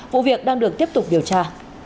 vụ việc đang được tiếp tục điều tra